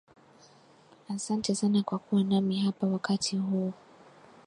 Asante sana kwa kuwa nami hapa wakati hu